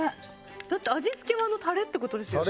だって味付けはあのタレって事ですよね？